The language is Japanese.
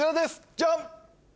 ジャン！